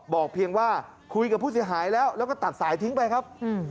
เพียงว่าคุยกับผู้เสียหายแล้วแล้วก็ตัดสายทิ้งไปครับ